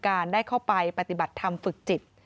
การได้เข้าไปปฏิบัติธรรมฝึกจิต